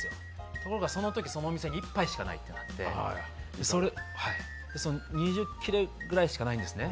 ところがそのとき、そのお店に１パイしかないっていうことで２０切れぐらいしかないんですね